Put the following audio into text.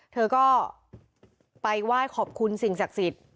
เธอก็ไปไหว้ขอบคุณสิ่งศักดิ์สิทธิ์